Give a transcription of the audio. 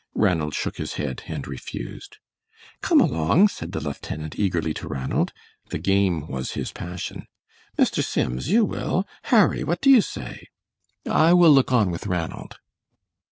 Ranald shook his head and refused. "Come along," said the lieutenant, eagerly, to Ranald. The game was his passion. "Mr. Sims, you will; Harry, what do you say?" "I will look on with Ranald."